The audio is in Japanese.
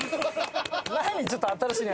何ちょっと新しいの。